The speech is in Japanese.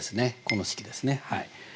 この式ですねはい。